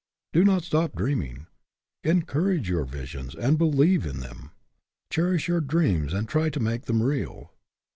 Do not stop dreaming. Encourage your visions and believe in them. Cherish your dreams and try to make them real.